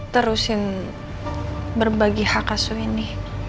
terusin berbagi hak asuh ini